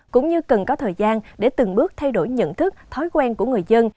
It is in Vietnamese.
cũng như cần có thời gian để từng bước thay đổi nhận thức thói quen của người dân